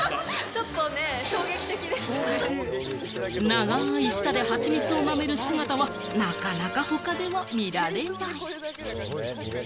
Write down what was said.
長い舌でハチミツをなめる姿は、なかなか他では見られない。